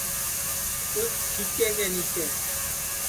اُس چھیکے کے نیچے